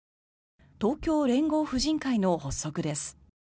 東京連合婦人会の発足です。